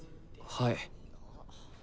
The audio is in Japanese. はい。